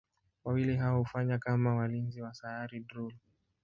Wawili hao hufanya kama walinzi wa Sayari Drool.